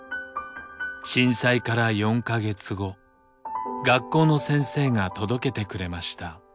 震災から４か月後学校の先生が届けてくれました。